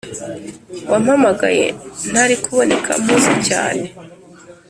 wampamagaye ntarikuboneka mpuze cyane